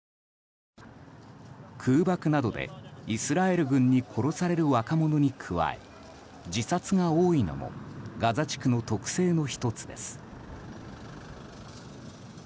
空爆などでイスラエル軍に殺される若者に加え自殺が多いのもガザ地区の特性の１つです。